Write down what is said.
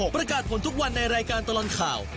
ประกาศผลทุกวันในรายการตลอดข่าว